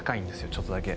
ちょっとだけ。